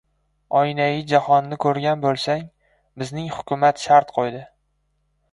Oynai jahonni ko‘rgan bo‘lsang, bizning hukumat shart qo‘ydi.